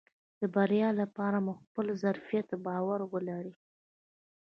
د بريا لپاره مو په خپل ظرفيت باور ولرئ .